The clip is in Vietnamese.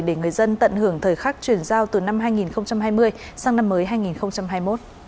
để người dân tận hưởng thời khắc chuyển giao từ năm hai nghìn hai mươi sang năm mới hai nghìn hai mươi một